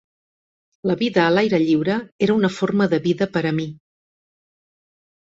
La vida a l'aire lliure era una forma de vida per a mi.